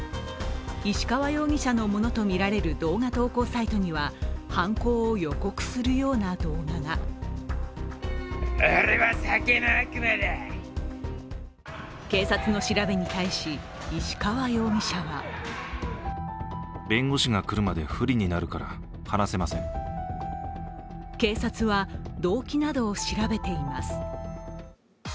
石川容疑者のものとみられる動画投稿サイトには、犯行を予告するような動画が警察の調べに対し石川容疑者は警察は動機などを調べています。